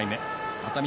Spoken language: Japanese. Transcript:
熱海